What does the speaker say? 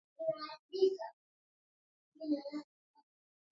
Nchi ya Tanzania iliasisiwa mwaka elfu moja mia tisa sitini na nne